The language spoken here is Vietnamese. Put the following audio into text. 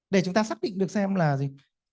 để chúng ta xác định được xem là gì